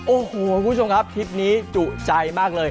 โอ้โหคุณผู้ชมครับคลิปนี้จุใจมากเลย